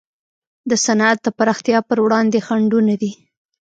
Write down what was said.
د صنعت د پراختیا پر وړاندې خنډونه دي.